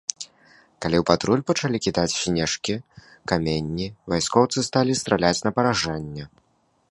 Калі ў патруль пачалі кідаць снежкі і каменні, вайскоўцы сталі страляць на паражэнне.